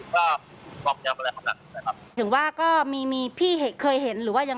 ขอให้บัตรคำเบอร์เชิงให้เพื่อนเพื่อนเห็นแล้วครับ